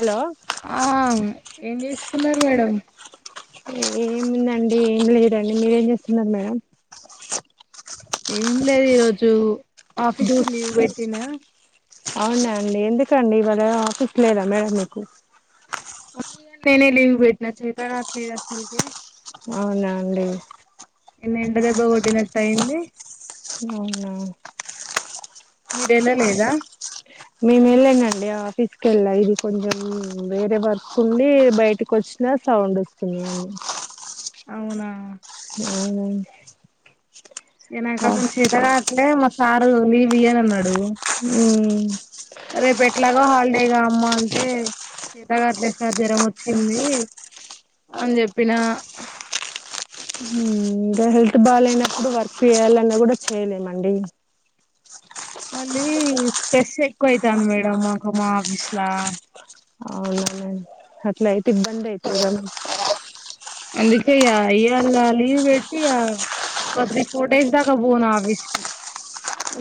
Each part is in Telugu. హలో ఆ ఏం చేస్ వున్నారు మేడం మ్మ్ ఏముందండి ఏం లేరండి మీరేం చేస్తున్నారు మేడం ఏం లేదు ఈరోజు ఆఫీస్కి లీవ్ వెట్టిన అవునా అండి ఎందుకండి ఇవాళ ఆఫీస్ లేదా మరి మీకు ఉంది కానీ నేనే లీవ్ పెట్టిన చేత కావట్లేదసల్కే అవునా అండి నిన్న ఎండ దెబ్బ కొట్టినట్టు అయింది అవునా మీరెలా లేదా నేను వెళ్ళానండి ఆఫీస్ కెళ్ళా ఇది కొంచెం వేరే వర్క్ ఉండి బయటకి వచ్చినా సౌండ్ వస్తుంది అవును అవునా మ్మ్ ఇగ నాకు అసలు శేత కావట్లే మస్త్ సారు లీవ్ ఇయ్యనన్నాడు రేపు ఎట్లాగో హాల్ టయి గా అమ్మ అంటే శేతగాట్లే సార్ జ్వరం వచ్చింది అని చెప్పిన ఇంక హెల్త్ బాలేనప్పుడు వర్క్ చేయాలన్నా కూడా చేయలేమండి మళ్ళీ స్ట్రెస్ ఎక్కువ అయితనది మేడం మాకు మా ఆఫీస్ లా అట్ల అయి ఇబ్బంది అయితది గా అందుకే ఇగ ఇయల లీవ్ పెట్టి ఒక త్రీ ఫోర్ డేస్ దాకా పోను ఆఫీస్ కి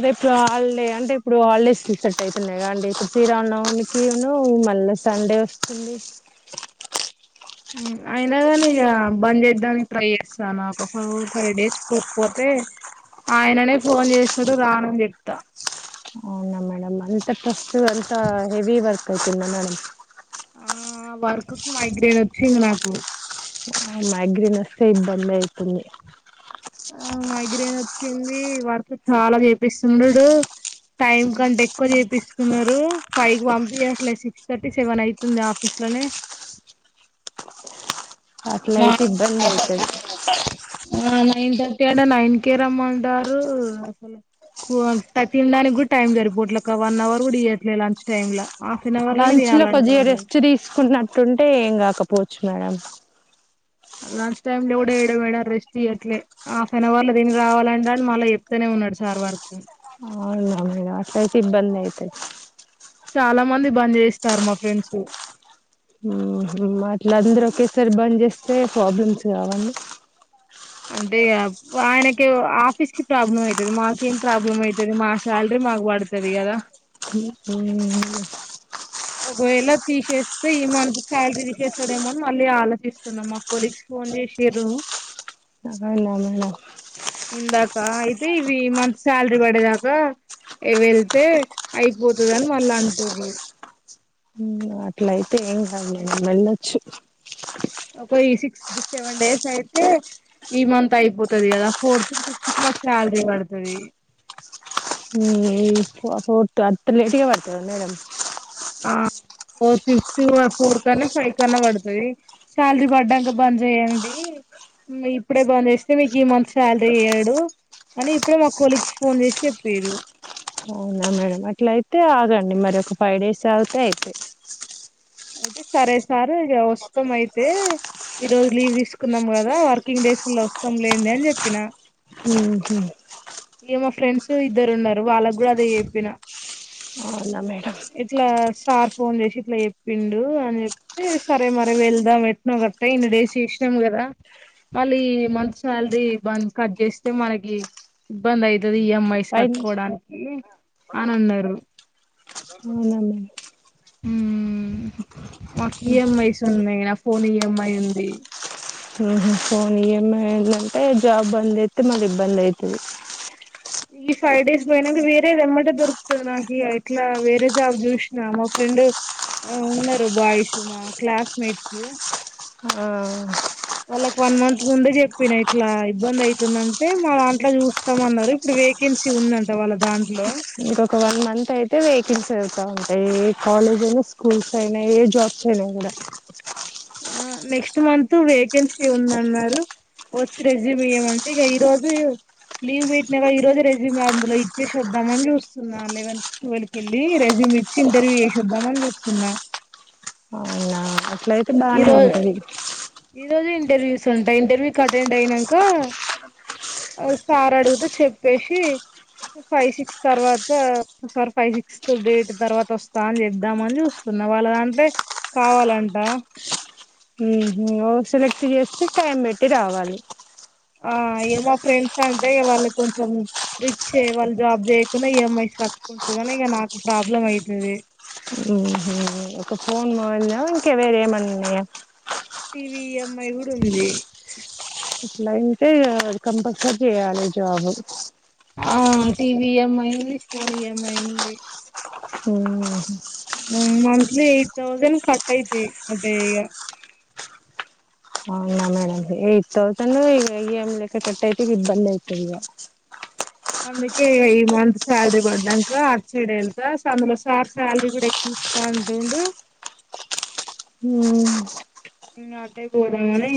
రేప్ హాలిడే అంటే ఇప్పుడు హాలిడేస్కి సెట్ అవుతున్నాయిగా అండి ఇప్పుడు శ్రీరామా నవమి కినూ మళ్ళీ సండే వస్తుంది మ్ అయినాగానీ ఇక బంద్ చేద్దాం చేయడానికి ట్రై చేస్తాను ఒక ఫోర్ ఫైవ్ డేస్ పోకపోతే ఆయననే ఫోన్ చేస్తాడు రానని చెప్తా [unintelligible] నువ్వు అంత హెవీ వర్క్ పోతున్న మేడం ఆ వర్కకు మైగ్రేన్ వచ్చింది నాకు ఆ మైగ్రేన్ వస్తే ఇబ్బంది అయితుంది ఆ మైగ్రేన్ వచ్చింది వర్క్ చాలా చేపిస్తుండీడు టైమ్ కంటే ఎక్కువ చేపిస్ న్నారు ఫైవ్ కి పంపియట్లే సిక్స్ థర్టీ సెవెన్ అయితుంది ఆఫీస్ లోనే అట్ల అయితే మార్నింగ్ ఇబ్బంది అయితది ఆ నైన్ థర్టీ అంటే నైన్ కే రమ్మంటారు అసలు తినడానికి కూడా టైం సరిపోట్ల వన్ అవర్ కూడా ఇయట్లే లంచ్ టైమ్ లా లంచ్ లో కొద్దిగా రెస్ట్ తీసుకున్నట్టుంటే ఏం కా కాక పోచ్చు మేడం లంచ్ టైమ్ లో కూడా ఏయడం మేడ రెస్ట్ ఇయ్యట్లే హాఫ్ నవర్ లో తిని రావాలంటాడు మళ్ళా చెప్తానే ఉన్నాడు సార్ వర్క్ అట్టయితే ఇబ్బంది అయితది చాలా మంది బంద్ జేస్తారు మా ఫ్రెండ్స్ మ్ హ్ అట్లా అందరూ ఒకేసారి బంద చేస్ అయితే ప్రాబ్లమ్స్ కావాండి అంటే ఆయనకి ఆఫీస్ కి ప్రాబ్లం అయితది మాకేం ప్రాబ్లం అయితది మా శాలరీ మాకు పడతది కదా మ్మ్ ఒకవేళ తీసేస్తే ఈ మంత్ శాలరీ తీసేస్తాడేమోని మళ్ళీ ఆలోచిస్తున్నాం మా కొలీగ్స్ ఫోన్ చేసిర్రు నాకాన్నా మేడం ఇందాక అయితే ఇవి మంత్ శాలరీ పడేదాకా వెళ్తే అయిపోతాదని వాళ్ళు అంటుర్రు అట్ల అయితే ఏం కాదు లే వెళ్లొచ్చు ఒక సిక్స్ సెవెన్ డేస్ అయితే ఈ మంత్ అయిపోతుంది కదా ఫోర్త్ ఫిఫ్త్ మాకు సాలరీ పడతది మ్ ఫోర్త్ అత్త లేటు గా పడుతదా మేడం ఆ ఫోర్ సిక్స్ ఫోర్ కన్నా ఫైవ్ కన్నా పడుతది సాలరీ పడ్డాంక బంద్ చేయండి ఇప్పుడే బంద్ చేస్తే మీకు ఈ మంత్ శాలరీ ఇయ్యడు అని ఇప్పుడే మా కోలిక్స్ ఫోన్ చేసి చెప్పిర్రు అవునా మేడం అట్లా అయితే ఆగండి మరి ఒక ఫైవ్ డేస్ ఆగితే అయిపోయే అయితే సరే సార్ ఇక వస్తాం అయితే ఈ రోజు లీవ్ తీసుకుందాం కదా వర్కింగ్ డేస్ల వస్తాం లేండి అని చెప్పినా మ్ హు ఇక మా ఫ్రెండ్స్ ఇద్దరు ఉన్నారు వాళ్ళకు కూడా అదే చెప్పిన అవునా మేడం ఇట్లా సార్ ఫోన్ చేసి ఇట్లా పిండు అని చెప్తే సరే మరి వెళ్దాం ఎట్న గట్ట ఇన్ని డేస్ చేసినాం కదా మళ్ళీ మంత్ సాలరీబంద్ కట్ చేస్తే మనకి ఇబ్బంది ఐతే అది ఇమ్ఐస్ ఫైవ్ డేస్ కట్టుకోవడానికి అని అన్నరు అవున మె మ్ మాకిీ ఇ మ్ ఐస్ ఉన్నాయి ఫోన్ ఇ మ్ ఐ ఉంది ఫోన్ ఈ మ్ ఐ లు టే జాబ్ బంద్ చేస్తే అయితే మళ్ళ ఇబ్బంది ఐతాది ఈ ఫైవ్ డేస్ పోయినాక వేరేది ఎమ్మంటే దొరుకుతుంది నాకు ఇట్లా వేరే జాబ్ చూసిన మా ఫ్రెండ్ ఉన్నారు బాయ్స్ మా క్లాస్ మేట్స్ వాళ్ళకి వన్ మంత్ ముందు చెప్పిన ఇట్లా ఇబ్బంది అవుతుందంటే మా దాంట్లో చూస్తామ అన్నారు ఇప్పుడు వేకెన్సీ ఉందంట వాళ్ళ దాంట్లో ఇంకొక వన్ మంత్ అయితే వేకెన్సీ అయిత ది ఉంటాయి ఏ కాలేజ్ అయినా స్కూల్స్ అయినా ఏ జాబ్స్ అయినా కూడా అహ నెక్స్ట్ మంత్ వేకెన్సీ ఉందన్నారు వచ్చి రెజ్యూమ్ ఇయమంటే ఇ ఈరోజు లీవ్ పెట్టినా ఈ రొజే రెజ్యూమ్ అందులో ఇచ్చేసి వద్దామని చూస్తున్న లేవన్ టౌవల్ కీ వెళ్లి రెజూమ్ ఇచ్చి ఇంటర్వ్యూ చేసేద్దామని చూస్తున్నా అవునా అట్లయితే ఈ బాగానే రోజు ఉంటది ఈ రోజు ఇంటర్వ్యూస్ ఉంటాయి ఇంటర్వ్యూ కి అటెండ్ అయినంక సార్ అడిగితే చెప్పేసి ఫైవ్ సిక్స్ తర్వాత సార్ ఫైవ్ సిక్స్త్ డేట్ తర్వాత వస్తా అని చెబ్దామని చూస్తున్నా వాళ్ళ దాంట్లో కావాలంట సెలెక్ట్ చేస్త టైం పెట్టి రావాలి ఆ ఏ మా ఫ్రెండ్స్ అంటే వాళ్ళు కొంచెం రిచ్ ఏ వాళ్ళు జాబ్ చేయకుండా ఈఎంఐస్ కట్టుకుంటరు కానీ ఇక నాకు ప్రాబ్లం అయితది ఇంక ఫోన్ మారిందా ఇంకా వేర ఏమన్నున్నాయ T V E M I గూడ ఉంది అట్లయితే కంపల్సరీ చేయాలి జాబ్ ఆ టీవీ ఈ ఎం ఐ ఉంది ఫోన్ ఈఎంఐ ఉంది హ మంత్లీ ఎయిట్ థౌసండ్ కట్ అయితయి అటేఇగ అవునా మేడం ఎయిట్ తౌసండ్ ఇగ ఈఎంఐ కట్ అయితే ఇబ్బంది అయితది ఇగ అందుకే ఈ మంత్ సాలరీ పడ్డంకా అట్ సైడు వెళ్తా అందులో సార్ సాలరీ కూడా ఎక్కువ ఇస్తా అంటండు హు అట్టే పోదాం అని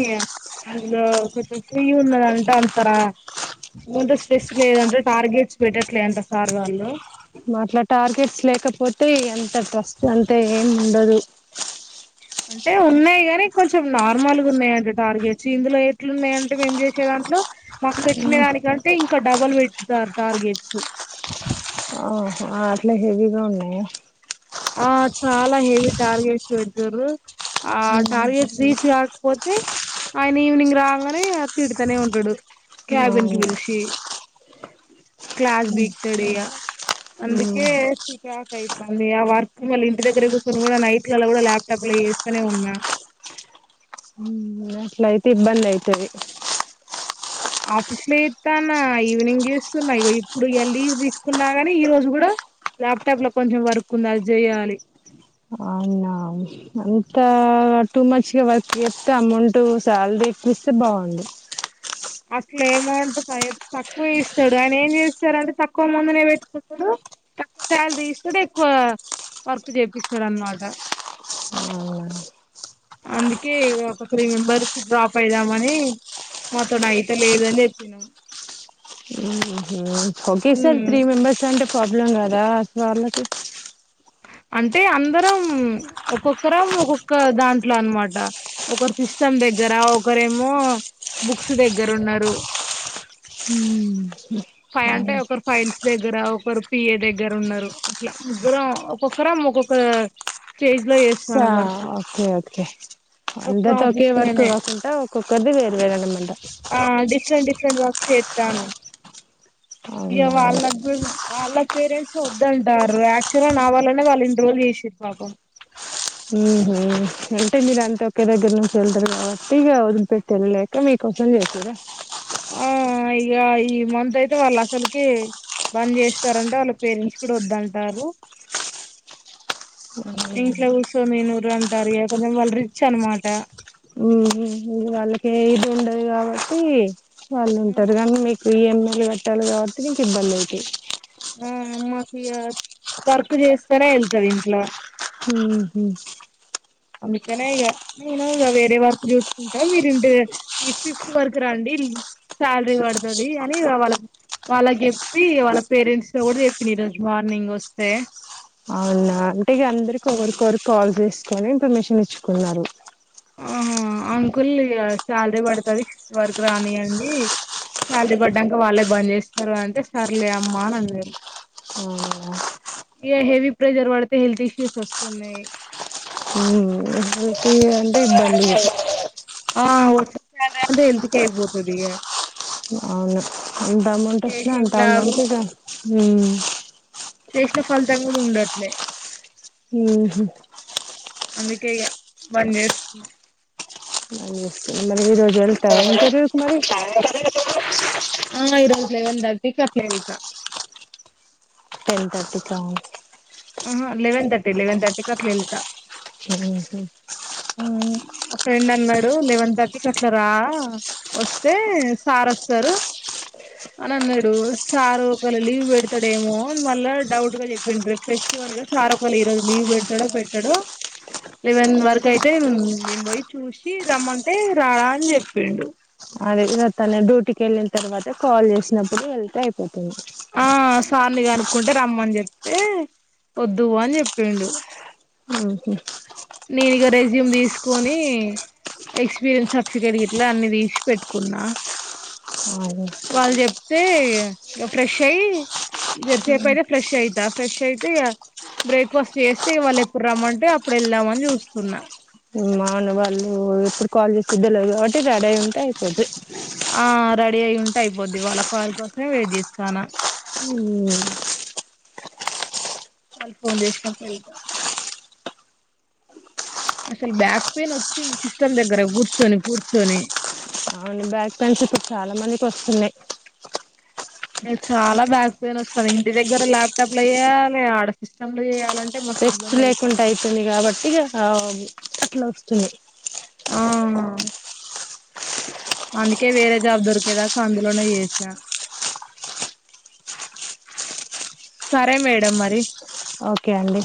అందులో కొంచెం ఫ్రీ ఉన్నదంట అంతర ఏమంటే స్ట్రెస్ లేదంట టార్గెట్స్ పెట్టట్లే అంట సార్ వాళ్ళు మా అట్ల టార్గెట్స్ లేకపోతే ఎంత ట్రస్ట్ అంత ఏం ఉండదు అంటె ఉన్నాయి కాని కొంచెం నార్మల్ గా ఉన్నాయండి టార్గెట్స్ ఇందులో ఎట్లున్నాయంటె మేం చేసే దాంట్లో నాకు పెట్టిన దానికంటె ఇం క డబల్ పెట్టుతారు టార్గెట్స్ ఆ అట్లా హెవీగా ఉన్నాయ ఆ చాలా హెవి టార్గెట్స్ పెడతారు ఆ ఊమ్, టార్గెట్స్ రీచ్ గా పోతే ఆయన ఈవినింగ్ రాంగనె తిడుతానె ఉంటాడు క్యాబెన్కి అవును పిల్షి క్లాస్ బిక్తాడు ఇగ అందుకే ఊమ్, చికకై వందిగా వర్ మొత్తం మళ్ళీ ఇంటి దగ్గర కూర్చొని కూడా నైట్లలొ అకూడా ల్యాప్టాప్ లా చేస్తనే ఉన్నా అట్ల అయితె ఇబ్బంది అయితది ఆఫీస్ లో చేత్తన్న ఈవినింగ్ చేస్తున్నా ఇప్పుడు లీవ్ తీసుకున్నా, గని ఈ రోజు కూడ ల్యాప్టాప్ లో కొంచెం వర్క్ ఉంది అది చేయాలి అంతా టూ మచ్గా వర్క్ చేస్తే అమౌంట్ శాలరీ ఎక్కవ ఇస్తే బాగుండు అట్లా ఏమౌంట తక్కువె ఇస్తాడు, ఆయన ఏం చేస్తారంటే తక్కువ మందినె పెట్టుకుంటడు, తక్కువ శాలరీ ఇస్తడు, ఎక్కువ వర్క్ చేపిస్తాడు అనమాట అందుకే ఒక త్రీ మెంబర్స్ డ్రాప్ అయిదామని మొత్తం అయిత లేదని చెప్పినాము ఓకే సార్ త్రీ మెంబెర్స్ అంటె ప్రాబ్లం కాదా అ వాళ్ళకి అంటే అందరం ఒక్కొక్కరం ఒక్కొక్క దాంట్లో అనమాట ఒకరు సిస్టమ్ దగ్గర ఒకరేమో బుక్స్ దగ్గర ఉన్నారు ఫై అంటే ఒకరు ఫైల్స్ దగ్గర ఒకరు పిఏ దగ్గర ఉన్నారు అట్లా ముగ్గురు ఒక్కొక్కరం ఒక్కొక్క స్టేజ్ లో చేస్తాను ఆ వర్క్ ఓకె ఓకె ఒక్క అందరితో ఒకే ఆఫీస్ వర్క్ లోనే కాకుండా ఒక్కొక్కరిది వేరు వేరనమ్మంట చెత్తాను ఇక అవునా వాళ్లకి గుడా వాళ్ళ పేరెంట్స్ వద్దుంటారు యాక్చువల్ గా నా వళ్ళనే వాళ్ళు ఇన్ని రోజులు చేసిర్రు పాపం ఉహు అంటె మీరు అంత ఒకే దగ్గర నుంచి వెళ్తారు కాబట్టి ఇక వదిలిపెట్టి వెళ్లలేక మీకోసం చేసిర్రా ఆ ఇక ఈ మంత్ అయితే వాళ్ళు అసలుకి బంద్ చేస్తారంటే వాళ్ళ పేరెంట్స్ కూడా వద్దంటారు అ సో మీనూరు అంటారుక కొంచెం వాళ్ళు రిచ్ అనమాట ఉ వాళ్ళకి ఇది ఉండదు కాబట్టి వాళ్ళు ఉంటారు కానీ మీకు ఇ ఎం ఐ కట్టాలి కాబట్టి నీకు ఇబ్బంది అకి ఆ మాకు ఇ వర్క్ చేస్తారా వెళ్తుంది ఇంట్లో హ అందుకనే ఇక నేను ఇ వేరే వర్కు చూసుకుంటా మీరు ఇంటి ఈ ఫిఫ్త్ వర్కు రండి శాలరీ పడుతుది అని వాళ్ళ వాళ్ళకి చెప్పి వాళ్ళ పేరెంట్స్ త కూడా చెప్పంది ఈరోజు మార్నింగ్ వస్తే ఆ అ అందరిక ఒకరికొరు కాల్ చేస్త ని ఇన్ఫర్మేషన్ ఇచ్చుకున్నారు ఆహా అంకుల్ ఇగ శాలరీ పడుతది సిక్స్త్ వరకు రాని అండి శాలరీ పడ్డాక వాళ్ళే బంద్ చేస్తారు, అంటే సర్లే అమ్మా అని అన్నారు. అవునా ఇగ హెవీ ప్రెషర్ పడితే హెల్త్ ఇష్యూస్ వస్తున్నాయి. డ్యూటీ అం టే ఇబ్బందిగ ఆ వచ్చ [unintelligible] హెల్త్ కే అయిపోతుదిగా అవును ఎంత అమౌంట్ వచ్చిన చేసేం అంత లాభం అమౌంట్ గా హ్మ్ చేసిన ఫలితం కూడా ఉండట్లే మ్మ్ హు అందుకే ఇగ బంద్ చేసున్నాం అదే మరి ఈ రోజు వెళ్తావా ఇంటర్వ్యూ క్ మరి ఆ ఈరోజు లెవెన్ థర్టీకి అలా వెళ్తా టెన్ థర్టీకా ఆ లెవెన్ థర్టీ లెవెన్ థర్టీకి అట్ల వెళ్తా మ్మ్ హ్మ్ హ్మ్ ఓ ఫ్రెండ్ అన్నాడు లెవెన్ థర్టీకి అట్లా రా వస్తే సార్ వస్తారు అని అన్నాడు, సార్ ఒక వేళ లీవ్ పెడతడు ఏమో అని మళ్ళా డౌట్ గా చెప్పిండు, ఫెస్టివల్ గా సార్ ఒకళ ఈ రోజు లీవ్ పెడ్తాడో పెట్టాడో లెవెన్ వరకు ఇట్లైతే మ్మ్ నేను పోయి చూసి రమ్మంటే రాడా అని చెప్పిండు అదే గదా తనే డ్యూటీకి వెళ్ళిన తర్వాత కాల్ చేసినప్పుడు వెళ్తే అయిపోతది ఆ సార్ని కనుక్కుంటే రమ్మని చెప్తే వద్దు అని చెప్పిండు ఆహ నేనుక రెజ్యూమ్ తీసుకొని ఎక్స్పీరియన్స్ సర్టిఫికెట్ ఇట్లా అన్ని తీసి పెట్టుకున్నా అదే వాళ్ళు చెప్తే ఇక ఫ్రెష్ అయి ఇద్దరిసేపు అయితే ఫ్రెష్ అయితా ఫ్రెష్ అయితే ఇక బ్రేక్ఫాస్ట్ చేస్తే వాళ్ళు ఎప్పుడు రమ్మంటే అప్పుడు వెళ్దామని చూస్తున్నా మా అన్న వాళ్ళు ఎప్పుడు కాల్ చేసిది తెలవదు కాబట్టి రెడీ అయి ఉంటే అయిపోది ఆ రెడీ అయి ఉంటే అయిపోద్ది వాళ్ళ కాల్ కోసమే వెయిట్ చేస్తానా ఉ వాళ్ళు ఫోన్ చేసినప్పుడు వెళ్త అసలు బ్యాక్ పెయిన్ వచ్చింది సిస్టమ్ దగ్గర కూర్చొని కూర్చొని అ బ్యాక్ పెయిన్స్ ఇప్పుడు చాలా మందికి వస్తున్నాయి చాలా బ్యాక్ పెయిన్ వస్తుంది ఇంటి దగ్గర లాప్టాప్ లా చేయాలే ఆడ సిస్టమ్లు చేయాలంటే మస్తు రెస్ట్ ఇబ్బంది అవుతుంది లేకుంటా అయితుంది కాబట్టి ఇగ ఆ అట్లా వస్తుంది ఆ అందుకే వేరే జాబ్ దొరికేదాకా అందులోనే చేసా సరే మేడం మరి ఓకే అండి